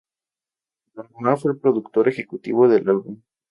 Don Omar fue el productor ejecutivo del álbum.